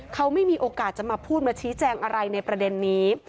เขาไม่มีโอกาสจะมาพูดมาชี้แจงอะไรในประเด็นนี้